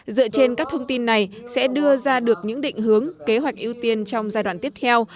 dựa trên các thông tin này sẽ đưa ra được những định hướng kế hoạch ưu tiên trong giai đoạn tiếp theo